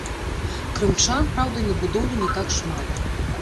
Крымчан, праўда, на будоўлі не так шмат.